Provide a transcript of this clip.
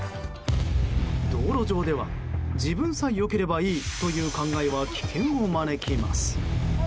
道路上では自分さえ良ければいいという考えは危険を招きます。